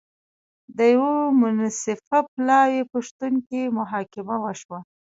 د یوه منصفه پلاوي په شتون کې محاکمه وشوه.